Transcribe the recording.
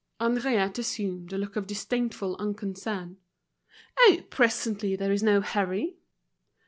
Henriette assumed a look of disdainful unconcern. "Oh, presently, there is no hurry."